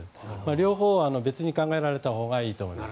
両方、別に考えられたほうがいいと思います。